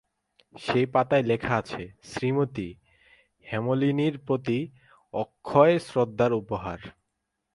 সেই পাতায় লেখা আছে ঃ শ্রীমতী হেমনলিনীর প্রতি অক্ষয়শ্রদ্ধার উপহার।